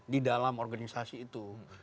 di dalam organisasi itu